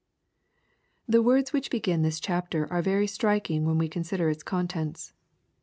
The words which begin this chapter are very striking when we consider its contents.